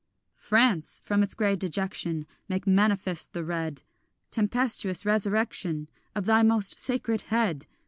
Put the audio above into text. France! from its grey dejection Make manifest the red Tempestuous resurrection Of thy most sacred head!